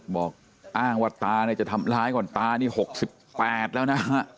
บอกอ้างวัดตาจะทำร้ายก่อนตานี่หกสิบแปดแล้วนะ